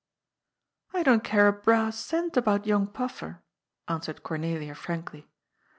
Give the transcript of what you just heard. " I don't care a brass cent about young PafEer," answered Cornelia frankly.